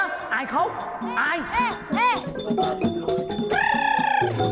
อายเขาอาย